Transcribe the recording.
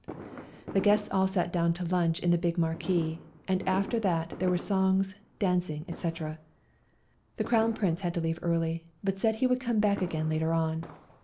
The guests all sat down to lunch in the big marquee, and after that there were songs, dancing, etc. The Crown Prince had to leave early, but said he would come back again later on.